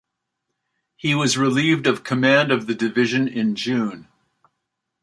He was relieved of command of the division in June.